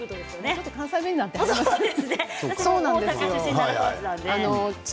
ちょっと関西弁になっていますね。